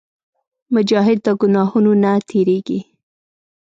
مجاهد د ګناهونو نه تېرېږي.